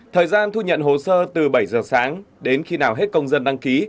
thời gian thu nhận hồ sơ từ bảy giờ sáng đến khi nào hết công dân đăng ký